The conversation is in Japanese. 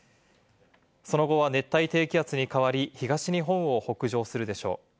その後は熱帯低気圧に変わり、東日本を北上するでしょう。